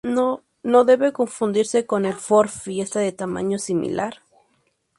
No debe confundirse con el Ford Fiesta de tamaño similar.